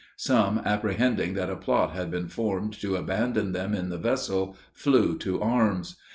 Some, apprehending that a plot had been formed to abandon them in the vessel, flew to arms.